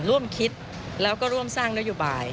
ร่วมคิดแล้วก็ร่วมสร้างนโยบาย